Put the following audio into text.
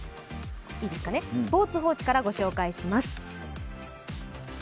スポーツ報知から御紹介します。